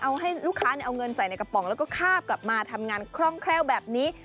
เอาให้ลูกค้าเอาเงินใส่ในกระป๋องแล้วก็คาบกลับมาทำงานคล่องแคล่วแบบนี้